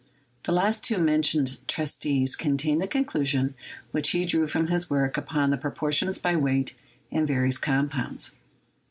The last two mentioned treatises contain the conclusions which he drew from his work upon the proportions by weight iai various compounds.